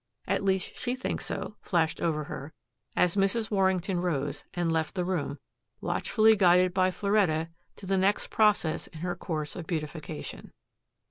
"At least she thinks so," flashed over her, as Mrs. Warrington rose, and left the room, watchfully guided by Floretta to the next process in her course in beautification.